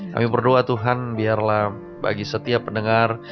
kami berdua tuhan biarlah bagi setiap pendengar